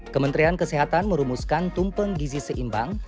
kementerian kesehatan merumuskan tumpeng gizi seimbang